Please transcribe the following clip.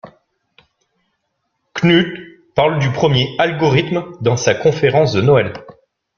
Knuth parle du premier algorithme dans sa conférence de Noël.